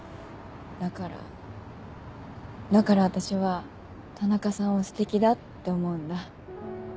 だからだから私は田中さんを素敵だって思うんだ。